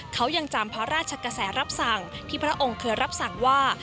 เขายังจำพระราชกระแสรับสั่งที่พระองค์เคยรับสั่งว่า